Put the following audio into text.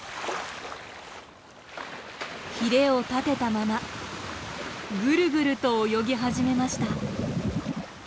ひれを立てたままぐるぐると泳ぎ始めました。